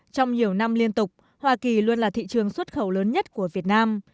trong nhiều năm liên tục hoa kỳ luôn là thị trường xuất khẩu lớn nhất của việt nam